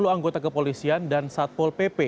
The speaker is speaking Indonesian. enam puluh anggota kepolisian dan satpol pp